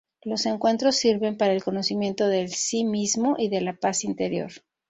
Los encuentros sirven para el conocimiento del Sí mismo y de la paz interior.